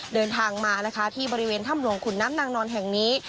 เดินทางมานะคะที่บริเวณถ้ำหลวงขุนน้ำนางนอนแห่งนี้